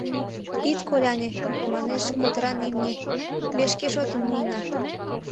— Ит коляне, — манеш котыран имне, — ме шке шотым муына.